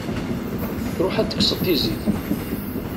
Ruḥ ad tekseḍ tizit.